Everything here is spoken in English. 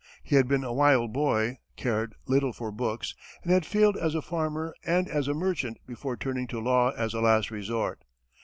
He had been a wild boy, cared little for books, and had failed as a farmer and as a merchant before turning to law as a last resort.